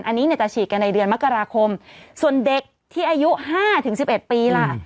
อันนี้เนี่ยจะฉีดกันในเดือนมกราคมส่วนเด็กที่อายุ๕๑๑ปีล่ะ